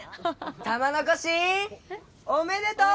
玉のこしおめでとう！